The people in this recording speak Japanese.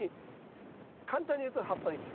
簡単に言うと葉っぱに効く。